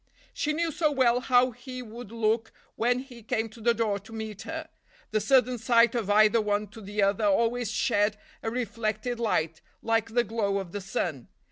She knew so well how he would look when he came to the door to meet her. The sudden sight of either one to the other always shed a reflected light, like the glow of the sun.